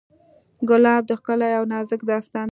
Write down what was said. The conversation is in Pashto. ګلاب د ښکلا یو نازک داستان دی.